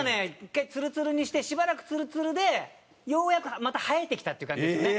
１回ツルツルにしてしばらくツルツルでようやくまた生えてきたっていう感じですよね。